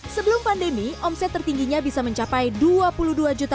sebelum pandemi omset tertingginya bisa mencapai rp dua puluh dua juta